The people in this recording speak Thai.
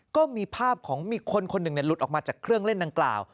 ก็มีภาพของมีคนคนหนึ่งหลุดออกมาจากเครื่องเล่นดังกล่าว